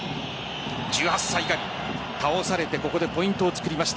１８歳が倒されてここでポイントを作りました。